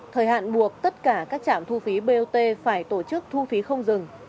thời hạn buộc tất cả các trạm thu phí bot phải tổ chức thu phí không dừng cuối năm hai nghìn hai mươi đang đến gần